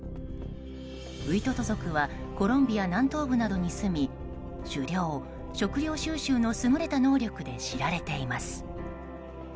ウイトト族はコロンビア南東部などに住み狩猟、食料収集の優れた能力で知られています。